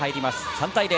３対０。